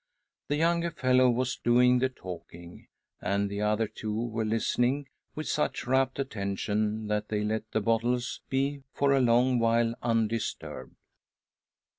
The younger fellow was doing the talking, and the other two were listening with such rapt attention that they let the bottles he for a long while undisturbed.